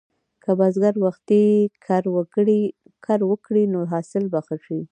که بزګر وختي کر وکړي، نو حاصل به ښه شي.